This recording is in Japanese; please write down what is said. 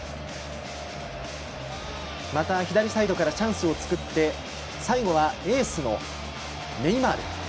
また、左サイドからチャンスを作って最後はエースのネイマール。